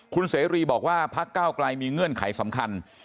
คุณเสรีบอกว่าพักเก้าไกลมีเงื่อนไขสำคัญ